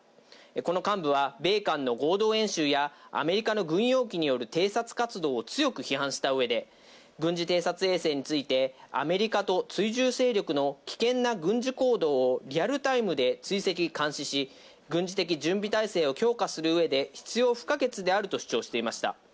この幹部は米韓の合同軍事演習やアメリカの軍用機による偵察活動を強く批判した上で、軍事偵察衛星について、アメリカと追随勢力の危険な軍事行動をリアルタイムで追跡・監視し、軍事的準備態勢を強化する上で必要不可欠であると主張していました。